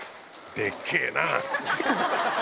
でっけえな。